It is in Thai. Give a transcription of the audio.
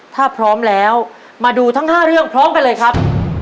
ถ้าพร้อมแล้วมาดูทั้ง๕เรื่องพร้อมกันเลยครับ